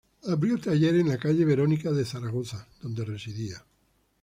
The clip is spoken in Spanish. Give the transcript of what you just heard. Abrió taller en la calle Verónica de Zaragoza, donde residía.